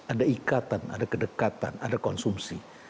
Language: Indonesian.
ada ikatan ada kedekatan ada konsumsi